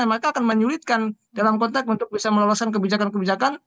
maka akan menyulitkan dalam konteks untuk bisa meloloskan kebijakan kebijakan